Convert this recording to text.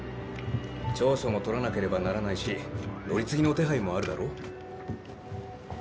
調書も取らなければならないし乗り継ぎの手配もあるだろ？